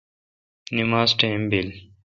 نماز ٹیم بیل۔